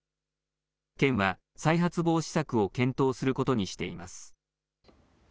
県は再発防止策を検討することにしています。